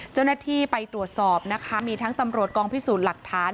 เจ้าหน้าที่ไปตรวจสอบนะคะมีทั้งตำรวจกองพิสูจน์หลักฐาน